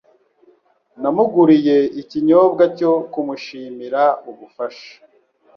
Namuguriye ikinyobwa cyo kumushimira ubufasha.